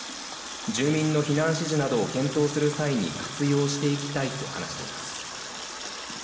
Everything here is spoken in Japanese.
住民の避難指示などを検討する際に活用していきたいと話しています。